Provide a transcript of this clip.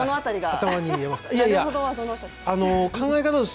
頭に入れました。